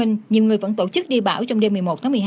nhiều người vẫn tổ chức đi bão trong đêm một mươi một một mươi hai